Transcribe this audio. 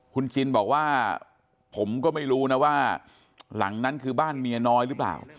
คุณจินบอกว่าผมก็ไม่รู้นะว่าหลังนั้นคือบ้านเมียน้อยหรือเปล่า